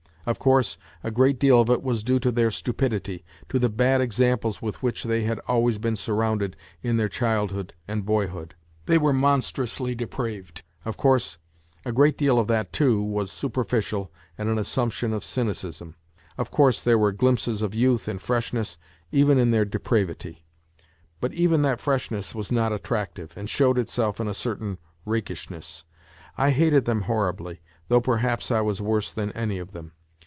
Of course, a great deal of it was due to their stupidity, to the bad examples with which they had always been surrounded in their childhood and boyhood. They were mon strously depraved. Of course a great deal of that, too, was superficial and an assumption of cynicism ; of course there were glimpses of youth and freshness even in their depravity; but even that freshness was not attractive, and showed itself in a certain rakishness. I hated them horribly, though perhaps I was worse than any of them.